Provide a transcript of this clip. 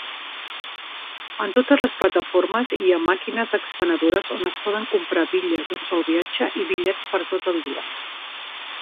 En totes les plataformes hi ha màquines expenedores on es poden comprar bitlles d'un sol viatge i bitllets per a tot el dia.